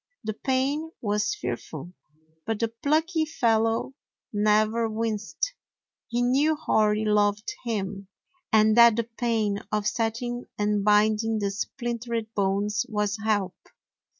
The pain was fearful, but the plucky fellow never winced. He knew Hori loved him, and that the pain of setting and binding the splintered bones was help.